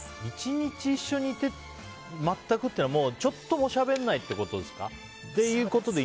１日一緒にいて全くっていうのは、ちょっともしゃべらないってことですか。